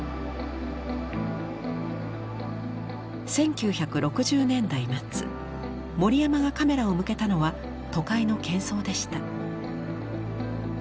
１９６０年代末森山がカメラを向けたのは都会のけん騒でした。